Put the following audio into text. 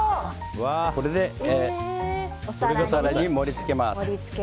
これでお皿に盛りつけます。